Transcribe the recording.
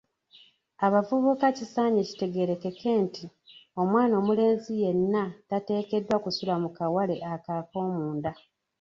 Abavubuka kisaanye kitegeerekeke nti, omwana omulenzi yenna tateekeddwa kusula mu kawale ako ak'omunda.